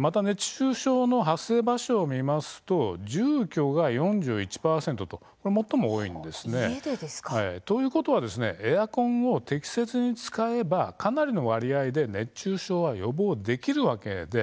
また熱中症の発生場所を見ますと住居が４１％と最も多いんです。ということはエアコンを適切に使えばかなりの割合で熱中症は予防できるわけです。